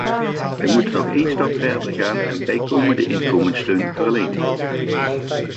Wij moeten nog een stap verder gaan en bijkomende inkomenssteun verlenen.